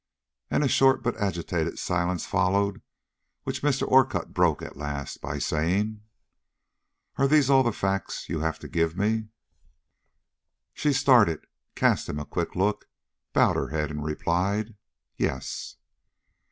And a short but agitated silence followed which Mr. Orcutt broke at last by saying: "Are these all the facts you have to give me?" She started, cast him a quick look, bowed her head, and replied: "Yes."